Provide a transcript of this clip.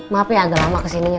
maaf ya agak lama kesininya